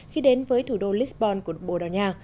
khi đến với thủ đô lisbon của bồ đào nha